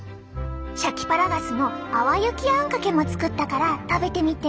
シャキパラガスの淡雪あんかけも作ったから食べてみて。